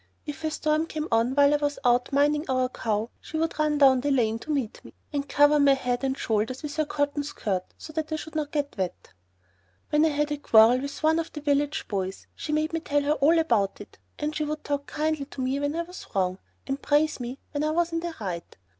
If a storm came on while I was out minding our cow, she would run down the lane to meet me, and cover my head and shoulders with her cotton skirt so that I should not get wet. When I had a quarrel with one of the village boys she made me tell her all about it, and she would talk kindly to me when I was wrong and praise me when I was in the right.